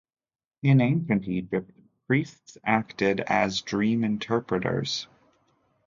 In ancient Egypt, priests acted as dream interpreters.